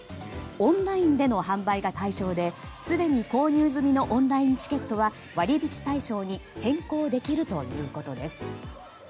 オンラインでの販売が対象ですでに購入済みのオンラインチケットは割引対象に変更できるということです。